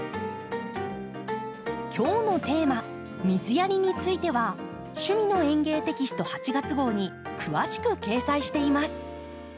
今日のテーマ「水やり」については「趣味の園芸」テキスト８月号に詳しく掲載しています。